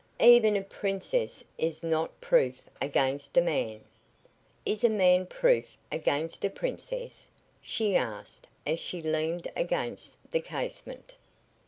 Even a princess is not proof against a man." "Is a man proof against a princess?" she asked, as she leaned against the casement.